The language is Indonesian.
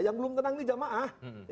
yang belum tenang ini jamaah